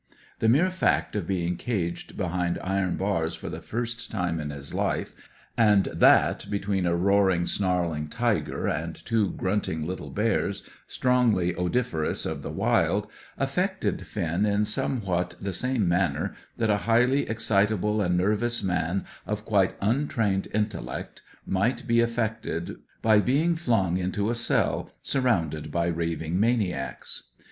The mere fact of being caged behind iron bars for the first time in his life, and that between a roaring, snarling tiger and two grunting little bears, strongly odoriferous of the wild, affected Finn in somewhat the same manner that a highly excitable and nervous man of quite untrained intellect might be affected by being flung into a cell, surrounded by raving maniacs.